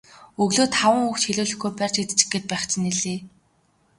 Өглөө таван үг ч хэлүүлэхгүй барьж идчих гээд байх чинь билээ.